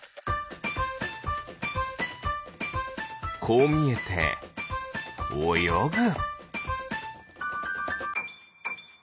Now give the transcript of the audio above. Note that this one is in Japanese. こうみえておよぐ。